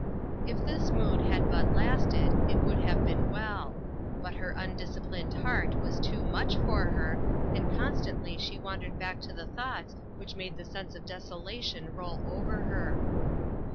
If this mood had but lasted, it would have been well; but her undisciplined heart was too much for her, and constantly she wandered back to the thoughts which made the sense of desolation roll over her.